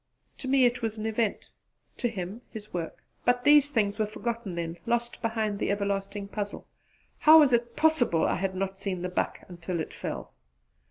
To me it was an event: to him, his work. But these things were forgotten then lost behind the everlasting puzzle, How was it possible I had not seen the buck until it fell?